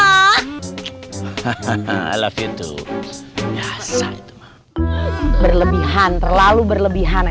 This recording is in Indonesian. hahaha love you too biasa itu mah berlebihan terlalu berlebihan eh tata ya